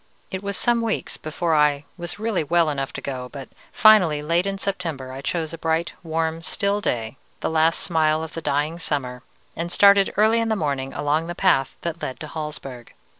"It was some weeks before I was really well enough to go, but finally, late in September, I chose a bright, warm, still day, the last smile of the dying summer, and started early in the morning along the path that led to Hallsberg.